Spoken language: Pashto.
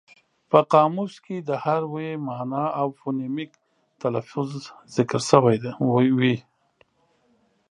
په قاموس کې د هر ویي مانا او فونیمک تلفظ ذکر شوی وي.